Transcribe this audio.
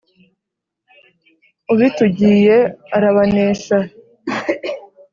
Ubitugiye arabanesha.